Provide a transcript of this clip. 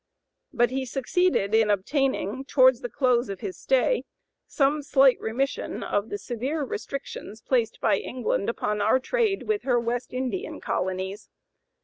But he succeeded in obtaining, towards the close of his stay, some slight remission of the severe restrictions placed by England upon our trade with her West Indian colonies.